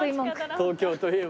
東京といえば。